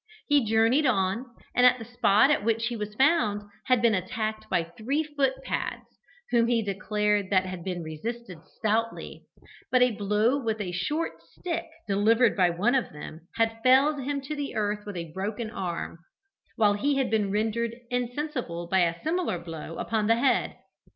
He journeyed on, and at the spot at which he was found had been attacked by three foot pads, whom he declared that he had resisted stoutly, but a blow with a short stick delivered by one of them had felled him to the earth with a broken arm, while he had been rendered insensible by a similar blow upon the head.